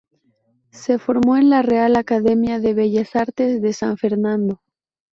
Se formó en la Real Academia de Bellas Artes de San Fernando.